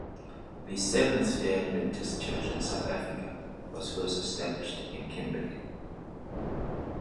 The Seventh-day Adventist Church in South Africa was first established in Kimberley.